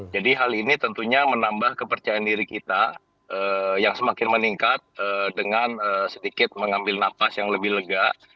jadi hal ini tentunya menambah kepercayaan diri kita yang semakin meningkat dengan sedikit mengambil nafas yang lebih lega